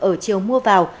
ở chiều mua vào